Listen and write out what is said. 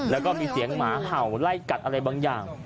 แล้วก็มีเสียงหมาเห่าไล่กัดอะไรบางอย่าง